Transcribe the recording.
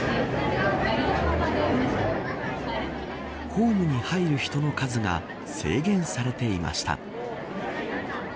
ホームに入る人の数が制限されていました。